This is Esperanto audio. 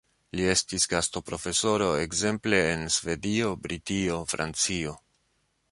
Li estis gastoprofesoro ekzemple en Svedio, Britio, Francio.